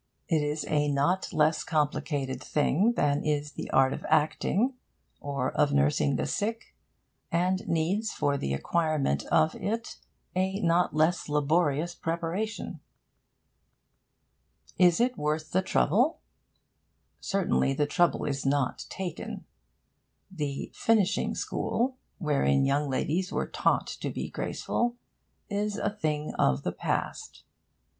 It is a not less complicated thing than is the art of acting, or of nursing the sick, and needs for the acquirement of it a not less laborious preparation. Is it worth the trouble? Certainly the trouble is not taken. The 'finishing school,' wherein young ladies were taught to be graceful, is a thing of the past.